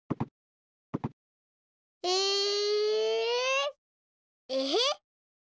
ええへっ。